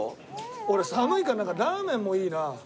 俺寒いからラーメンもいいな。